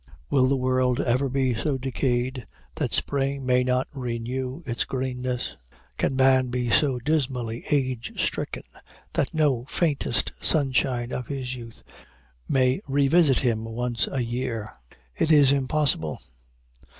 Will the world ever be so decayed that spring may not renew its greenness? Can man be so dismally age stricken that no faintest sunshine of his youth may revisit him once a year? It is impossible.